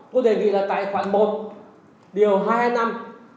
tôi đề nghị là tài khoản một điều hai năm